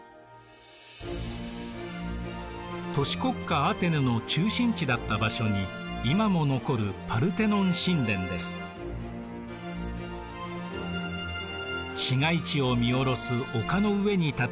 都市国家アテネの中心地だった場所に今も残る市街地を見下ろす丘の上に建てられています。